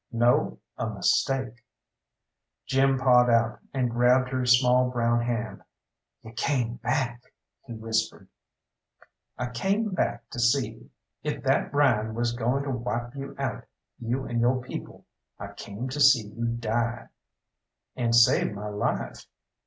"No, a mistake!" Jim pawed out, and grabbed her small brown hand. "You came back," he whispered. "I came back to see if that Ryan was goin' to wipe you out, you and yo' people. I came to see you die." "And saved my life!"